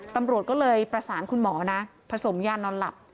ตำรวจก็เลยประสานคุณหมอนะผสมยานอนหลับ